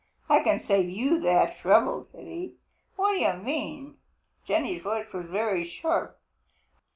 "I can save you that trouble," said he. "What do you mean?" Jenny's voice was very sharp.